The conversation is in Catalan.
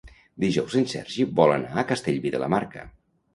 Dijous en Sergi vol anar a Castellví de la Marca.